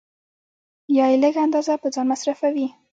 یا یې لږ اندازه په ځان مصرفوي